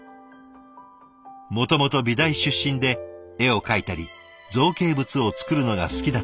もともと美大出身で絵を描いたり造形物を作るのが好きだった中村さん。